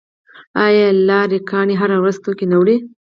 آیا لاری ګانې هره ورځ توکي نه وړي؟